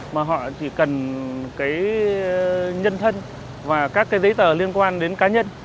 mà họ chỉ cần cái nhân thân và các cái giấy tờ liên quan đến cá nhân